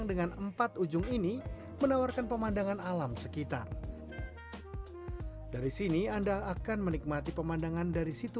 kesannya karena emang suka tempat yang alam alam kayak gitu jadi emang suka aja gitu